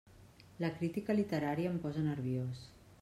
La crítica literària em posa nerviós!